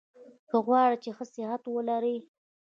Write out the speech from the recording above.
که غواړی چي ښه صحت ولرئ؟